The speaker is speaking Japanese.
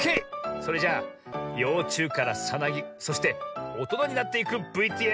それじゃあようちゅうからさなぎそしておとなになっていくＶＴＲ。